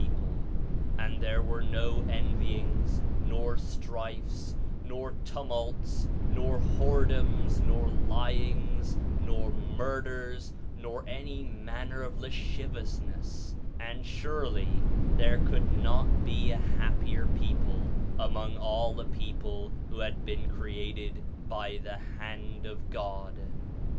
4 Nephi 1:16 And there were no envyings, nor strifes, nor tumults, nor whoredoms, nor lyings, nor murders, nor any manner of lasciviousness; and surely there could not be a happier people among all the people who had been created by the hand of God.